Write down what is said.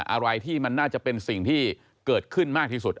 อะไรที่มันน่าจะเป็นสิ่งที่เกิดขึ้นมากที่สุด